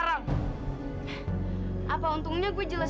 lo nggak tau aja loh